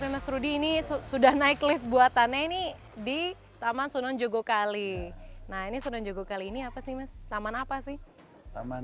hai oke mas rudy ini sudah naik lift buatan louis zaman sunan joggokali nah ini sudah jogokali ini apa sih mas nama apa sih beberapa